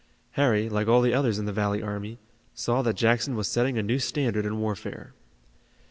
Harry, like all the others in the valley army, saw that Jackson was setting a new standard in warfare.